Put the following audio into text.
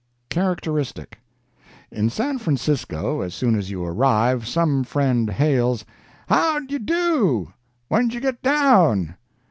CHARACTERISTIC In San Francisco, as soon as you arrive, some friend hails: "How d'y—do?—When'd you get down?